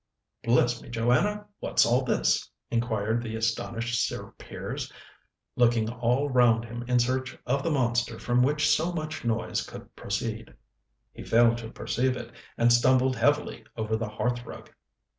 "Bless me, Joanna, what's all this?" inquired the astonished Sir Piers, looking all round him in search of the monster from which so much noise could proceed. He failed to perceive it, and stumbled heavily over the hearth rug.